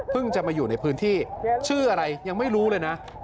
จะมาอยู่ในพื้นที่ชื่ออะไรยังไม่รู้เลยนะ